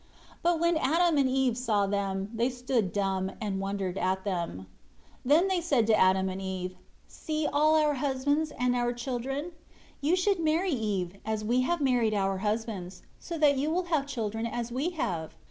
8 But when Adam and Eve saw them, they stood dumb, and wondered at them. 9 Then they said to Adam and Eve, "See all our husbands and our children? You should marry Eve, as we have married our husbands, so that you will have children as we have."